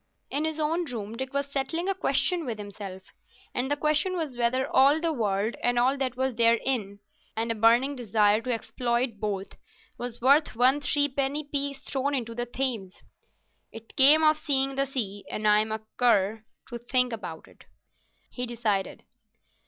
In his own room Dick was settling a question with himself—and the question was whether all the world, and all that was therein, and a burning desire to exploit both, was worth one threepenny piece thrown into the Thames. "It came of seeing the sea, and I'm a cur to think about it," he decided.